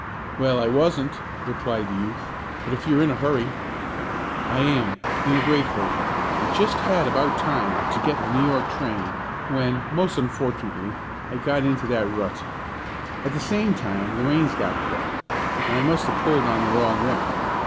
"Well, I wasn't," replied the youth, "but if you're in a hurry " "I am in a very great hurry. I just had about time to get the New York train, when, most unfortunately, I got into that rut. At the same time the reins got caught, and I must have pulled on the wrong one.